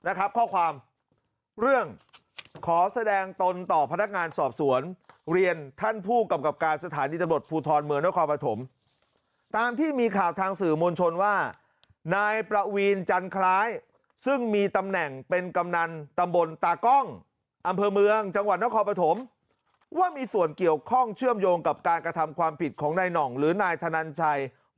ข้อความเรื่องขอแสดงตนต่อพนักงานสอบสวนเรียนท่านผู้กำกับการสถานีตำรวจภูทรเมืองนครปฐมตามที่มีข่าวทางสื่อมวลชนว่านายประวีนจันคล้ายซึ่งมีตำแหน่งเป็นกำนันตำบลตากล้องอำเภอเมืองจังหวัดนครปฐมว่ามีส่วนเกี่ยวข้องเชื่อมโยงกับการกระทำความผิดของนายหน่องหรือนายธนันชัย